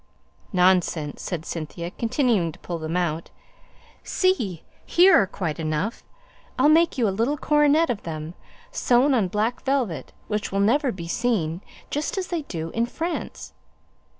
"Nonsense!" said Cynthia, continuing to pull them out; "see, here are quite enough. I'll make you a little coronet of them sewn on black velvet, which will never be seen just as they do in France!"